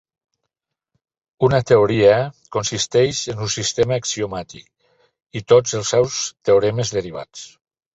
Una teoria consisteix en un sistema axiomàtic i tots els seus teoremes derivats.